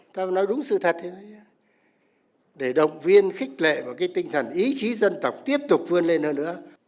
ta có nói đúng sự thật hay không để động viên khích lệ và cái tinh thần ý chí dân tộc tiếp tục vươn lên hơn nữa